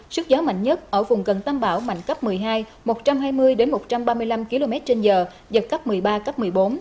sức gió mạnh nhất ở vùng gần tâm bão mạnh cấp một mươi hai một trăm hai mươi một trăm ba mươi năm km trên giờ giật cấp một mươi ba cấp một mươi bốn